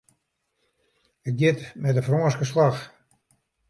It giet mei de Frânske slach.